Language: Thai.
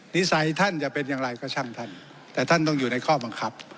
นิสัยท่านจะเป็นอย่างไรก็ช่างท่านแต่ท่านต้องอยู่ในข้อบังคับ